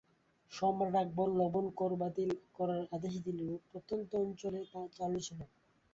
সম্রাট আকবর লবণ কর বাতিল করার আদেশ দিলেও প্রত্যন্ত অঞ্চলে তা চালু ছিল।